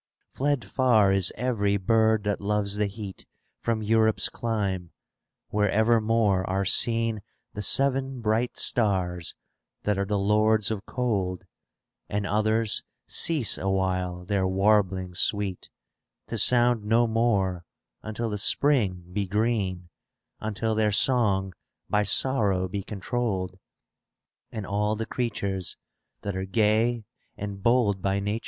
Fled far is every bird that loves the heat From Europe's clime, where evermore are • seen The seven bright stars that are the lords of cold; And others cease awhile their warblings sweet, ^ To sound no more until the Spring be green, Unless their song by sorrow be controlled : And all the creatures that are gay and bold winter.